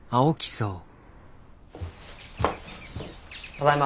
ただいま。